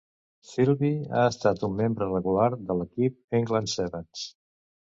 Thirlby ha estat un membre regular de l'equip England Sevens.